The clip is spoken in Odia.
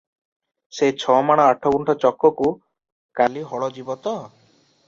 ସେ ଛମାଣ ଆଠଗୁଣ୍ଠ ଚକକୁ କାଲି ହଳ ଯିବ ତ?"